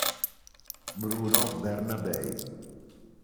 Bruno Bernabei